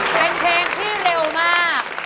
เป็นเพลงที่เร็วมาก